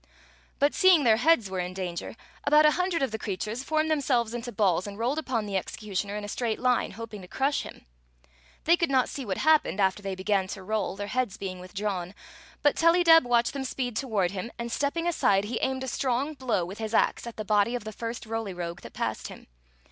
But, seeing their heads were in danger, about a hundred of the creatures formed themselves into balls and rolled upon the executioner in a straight line, hoping to crush him. They could not see what happened after they began to roll, their heads being withdrawn; but Tellydeb watched them speed toward him, and, stepping aside, he aimed a strong blow with his ax at the body of the first Roly Rogue that passed him.